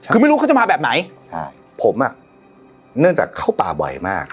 คือไม่รู้เขาจะมาแบบไหนใช่ผมอ่ะเนื่องจากเข้าป่าบ่อยมาก